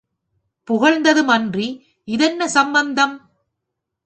புகழ்ந்தது மன்றி, இதென்ன சம்பந்தம்?